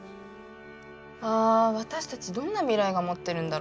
あ私たちどんな未来が待ってるんだろ。